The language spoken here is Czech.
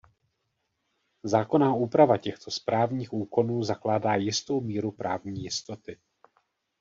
Zákonná úprava těchto správních úkonů zakládá jistou míru právní jistoty.